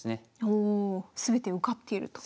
おお全て受かっていると。